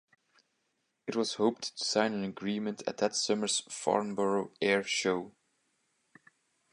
It was hoped to sign an agreement at that summer's Farnborough Air Show.